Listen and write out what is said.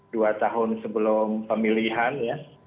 dua tahun sebelum pemilihan ya